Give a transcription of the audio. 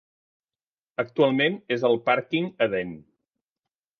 Actualment és el Pàrquing Edén.